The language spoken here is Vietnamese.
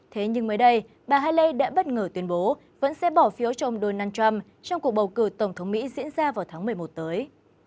thế nhưng mới đây bà haley đã bất ngờ tuyên bố vẫn sẽ bỏ phiếu cho ông donald trump trong cuộc bầu cử tổng thống mỹ diễn ra vào tháng một mươi một tới